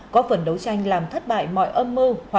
có phần đấu tranh làm thất bại mọi âm mưu hoạt động phá hoạch